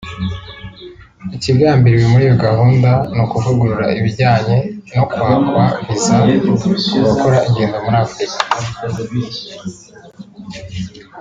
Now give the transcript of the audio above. Ikigambiriwe muri iyo gahunda ni ukuvugurura ibijyanye no kwakwa viza ku bakora ingendo muri Afurika